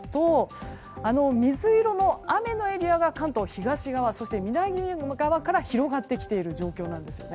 水色の雨のエリアが関東東側そして南側から広がってきている状況なんですね。